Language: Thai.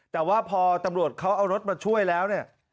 แต่ว่าพอตำรวจเขาเอารถมาช่วยแล้วเนี่ย